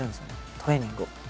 トレーニングを。